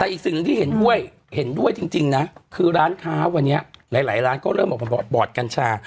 แต่อีกสิ่งหนึ่งที่เห็นด้วยเห็นด้วยจริงนะคือร้านค้าวันนี้หลายร้านก็เริ่มออกมาบอดกัญชา